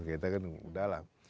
kita kan udah lah